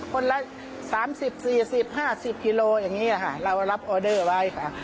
คนละสามสิบสี่สิบห้าสิบคิโลอย่างเงี้ยค่ะเรารับออเดอร์ไว้ค่ะ